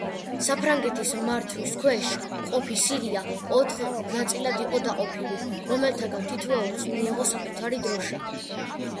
საფრანგეთის მმართვის ქვეშ მყოფი სირია ოთხ ნაწილად იყო დაყოფილი, რომელთაგან თითოეულს მიეღო საკუთარი დროშა.